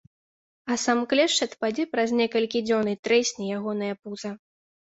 А сам клешч адпадзе праз некалькі дзён, і трэсне ягонае пуза.